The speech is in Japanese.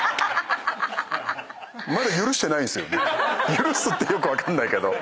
許すってよく分かんないけど。